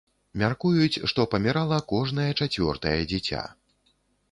Мяркуюць, што памірала кожнае чацвёртае дзіця.